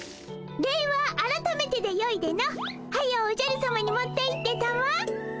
礼はあらためてでよいでの早うおじゃるさまに持っていってたも。